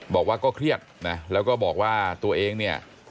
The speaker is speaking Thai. บอกว่าก็เครียดนะแล้วก็บอกว่าตัวเองเนี่ย